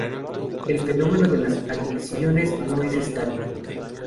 El fenómeno de las adicciones, no es estático.